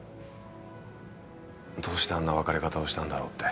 どうしてあんな別れ方をしたんだろうって。